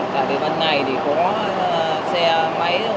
tại vì ban ngày thì có xe máy xe cân cố